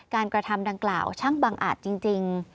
กระทำดังกล่าวช่างบังอาจจริง